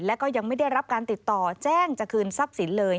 แล้วก็ยังไม่ได้รับการติดต่อแจ้งจะคืนทรัพย์สินเลย